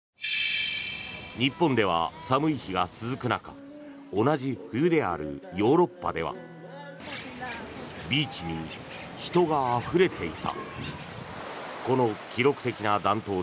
日本では寒い日が続く中同じ冬であるヨーロッパではビーチに人があふれていた。